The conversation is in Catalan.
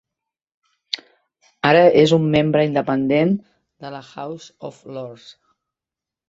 Ara és un membre independent de la House of Lords.